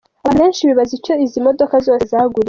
Abantu benshi bibaza icyo izi modoka zose zaguriwe.